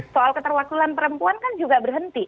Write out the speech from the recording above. soal keterwakilan perempuan kan juga berhenti